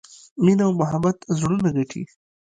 مینه او محبت زړونه ګټي.